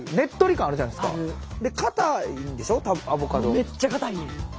めっちゃ硬いねん。